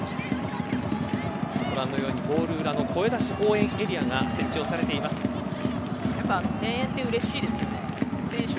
ご覧のようにゴール裏の声出し応援エリアが声援ってうれしいですよね。